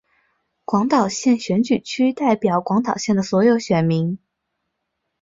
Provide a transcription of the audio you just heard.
广岛县选举区代表广岛县的所有选民。